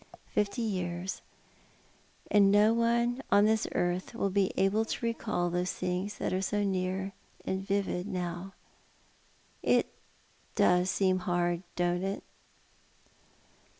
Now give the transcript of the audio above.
Fifty years, and no one on this earth will be able to recall those things that are so near and vivid now! It seems hard, don't it